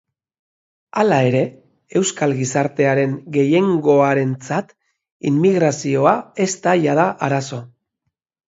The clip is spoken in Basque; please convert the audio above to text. Hala ere, euskal gizartearen gehiengoarentzat immigrazioa ez da jada arazo.